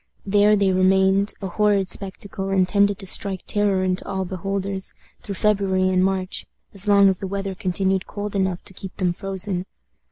There they remained a horrid spectacle, intended to strike terror into all beholders through February and March, as long as the weather continued cold enough to keep them frozen.